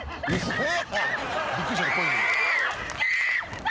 えっ？